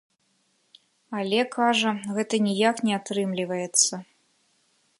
Але, кажа, гэта ніяк не атрымліваецца.